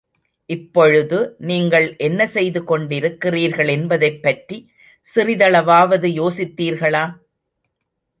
இப்பொழுது, நீங்கள் என்ன செய்து கொண்டிருக்கிறீர்கள் என்பதைப் பற்றி சிறிதளவாவது யோசித்தீர்களா?